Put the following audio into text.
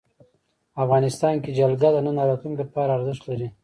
افغانستان کې جلګه د نن او راتلونکي لپاره ارزښت لري.